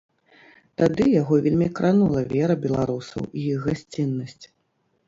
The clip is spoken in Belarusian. Тады яго вельмі кранула вера беларусаў і іх гасціннасць.